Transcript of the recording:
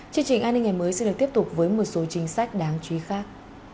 chương trình an ninh ngày mới xin được tiếp tục với một số chính sách đáng chú ý khác